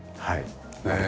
はい。